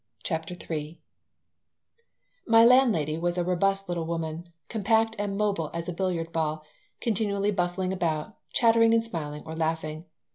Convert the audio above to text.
CHAPTER III MY landlady was a robust little woman, compact and mobile as a billiard ball, continually bustling about, chattering and smiling or laughing.